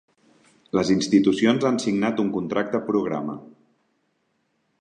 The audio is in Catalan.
Les institucions han signat un contracte programa.